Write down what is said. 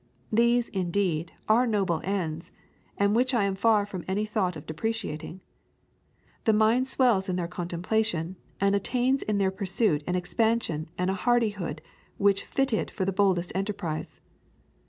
These, indeed, are noble ends and which I am far from any thought of depreciating; the mind swells in their contemplation, and attains in their pursuit an expansion and a hardihood which fit it for the boldest enterprise.